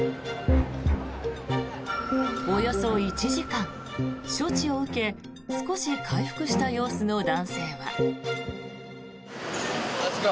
およそ１時間処置を受け少し回復した様子の男性は。